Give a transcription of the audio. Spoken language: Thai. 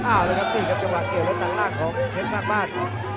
อ้าวแล้วกันครับนี่ครับจะวางเกี่ยวแล้วต่างหลากของเทศสักบาท